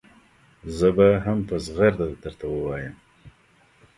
زه به هم په زغرده درته ووایم.